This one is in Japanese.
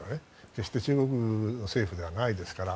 決して中国政府ではないですから。